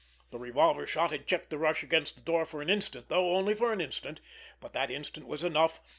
The revolver shot had checked the rush against the door for an instant, though only for an instant, but that instant was enough.